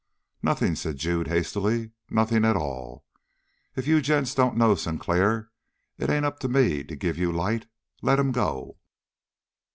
"Nothing," said Jude hastily. "Nothing at all. If you gents don't know Sinclair, it ain't up to me to give you light. Let him go."